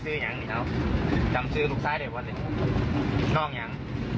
คือสิ่งที่เราติดตามคือสิ่งที่เราติดตาม